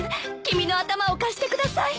君の頭を貸してください。